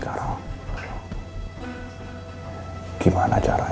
karena dia ketemu sama bella tadi